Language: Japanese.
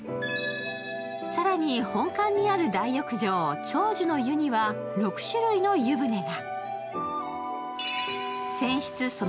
更に本館にある大浴場、長寿の湯には６種類の湯船が。